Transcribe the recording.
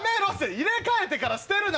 入れ替えてから捨てるな！